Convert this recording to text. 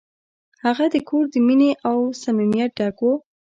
هغه کور د مینې او صمیمیت ډک و.